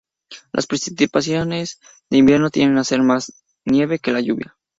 Las precipitaciones de invierno tiende a ser más nieve que la lluvia.